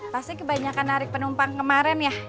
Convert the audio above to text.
pasti kebanyakan narik penumpang kemarin ya